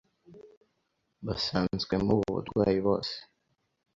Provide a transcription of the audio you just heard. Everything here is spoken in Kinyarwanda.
basanzwemo ubu burwayi bose